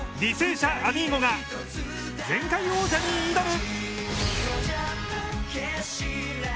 社アミーゴが前回王者に挑む！